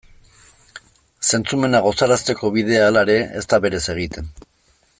Zentzumenak gozarazteko bidea, halere, ez da berez egiten.